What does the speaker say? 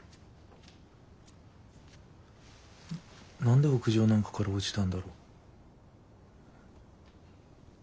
何で屋上なんかから落ちたんだろ？